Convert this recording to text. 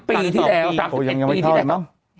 ปีที่แล้ว๓๑ปีที่แล้ว